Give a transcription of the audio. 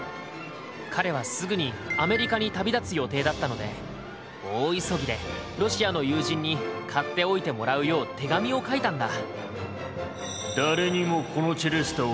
彼はすぐにアメリカに旅立つ予定だったので大急ぎでロシアの友人に買っておいてもらうよう手紙を書いたんだ。